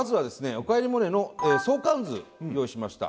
「おかえりモネ」の相関図用意しました。